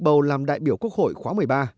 bầu làm đại biểu quốc hội khóa một mươi ba